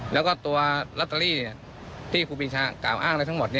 แล้วก็ตัวลอตเตอรี่ที่ครูปีชากล่าวอ้างอะไรทั้งหมด